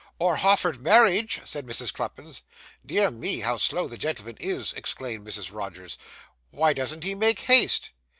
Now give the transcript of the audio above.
'Or hoffered marriage!' said Mrs. Cluppins. 'Dear me, how slow the gentleman is,' exclaimed Mrs. Rogers. 'Why doesn't he make haste!